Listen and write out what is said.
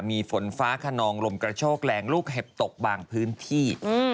มีฝนฟ้าขนองลมกระโชกแรงลูกเห็บตกบางพื้นที่